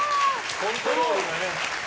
コントロールがね。